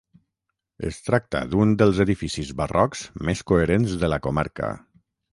Es tracta d'un dels edificis barrocs més coherents de la comarca.